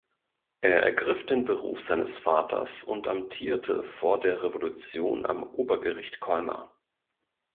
Er ergriff den Beruf seines Vaters und amtierte vor der Revolution am Obergericht Colmar.